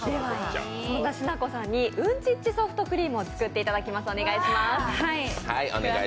そんなしなこさんにうんちっちソフトクリームを作っていただきます。